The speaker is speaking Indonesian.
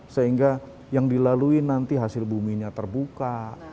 sehingga yang dilalui nanti hasil bumi nya terbuka